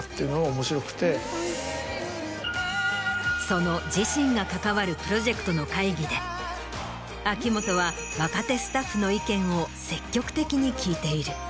その自身が関わるプロジェクトの会議で秋元は若手スタッフの意見を積極的に聞いている。